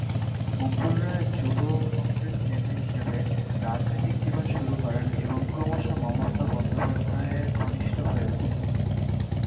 মুকুল রায় যুব কংগ্রেস নেতা হিসাবে রাজনৈতিক জীবন শুরু করেন এবং ক্রমশ মমতা বন্দ্যোপাধ্যায় এর ঘনিষ্ঠ হয়ে ওঠেন।